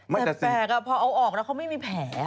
แปลกพอเอาออกแล้วเขาไม่มีแผล